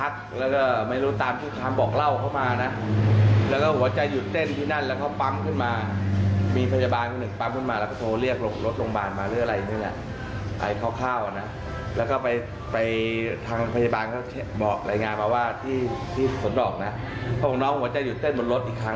ส่วนออกอีกครั้งแล้วก็ปั้งขึ้นมา